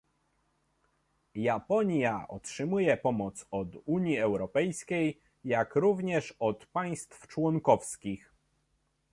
Japonia otrzymuje pomoc od Unii Europejskiej, jak również od państw członkowskich